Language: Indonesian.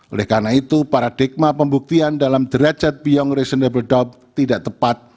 oleh karena itu paradigma pembuktian dalam derajat beyong reasonable doub tidak tepat